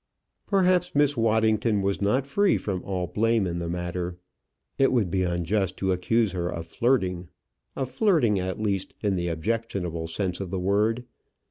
Perhaps Miss Waddington was not free from all blame in the matter. It would be unjust to accuse her of flirting of flirting, at least, in the objectionable sense of the word.